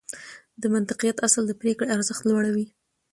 د منطقيت اصل د پرېکړې ارزښت لوړوي.